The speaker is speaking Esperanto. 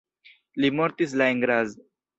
Li mortis la en Graz.